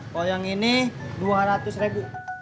kalau yang ini rp dua ratus